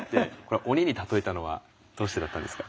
鬼に例えたのはどうしてだったんですか？